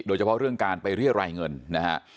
โดยเฉพาะเรื่องการไปเรียรายเงินนะฮะ